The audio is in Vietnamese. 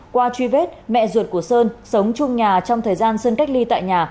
qua truy vết mẹ ruột của sơn sống chung nhà trong thời gian sơn cách ly tại nhà